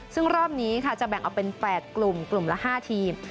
ซึ่งรอบนี้ค่ะจะแบ่งออกเป็น๘กลุ่มกลุ่มละ๕ทีม